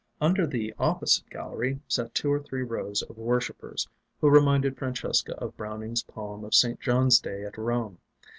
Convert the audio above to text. Under the opposite gallery sat two or three rows of worshipers, who reminded Francesca of Browning's poem of St. John's Day at Rome.